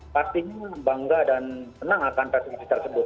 pastinya bangga dan senang akan prestasi tersebut